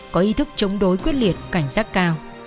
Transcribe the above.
có ý thức chống đối quyết liệt cảnh giác cao